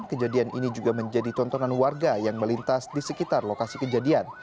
kejadian ini juga menjadi tontonan warga yang melintas di sekitar lokasi kejadian